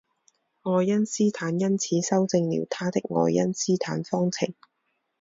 爱因斯坦因此修正了他的爱因斯坦方程。